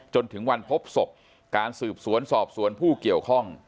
จนถึงวันพบศพการสืบสวนสอบสวนผู้เกี่ยวข้อง